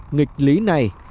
nghịch lý này